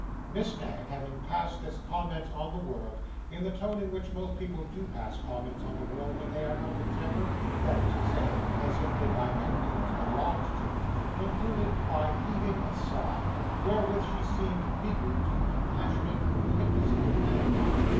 Miss Knag, having passed this comment on the world, in the tone in which most people do pass comments on the world when they are out of temper, that is to say, as if they by no means belonged to it, concluded by heaving a sigh, wherewith she seemed meekly to compassionate the wickedness of mankind.